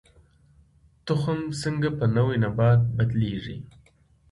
تخم څنګه په نوي نبات بدلیږي؟